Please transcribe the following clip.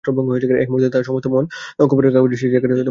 এক মুহূর্তে তাহার সমস্ত মন খবরের কাগজের সেই জায়গাটাতেই ঝুঁকিয়া পড়িল।